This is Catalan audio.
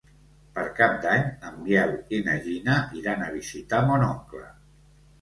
Per Cap d'Any en Biel i na Gina iran a visitar mon oncle.